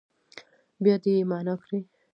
بیا دې يې معنا کړي.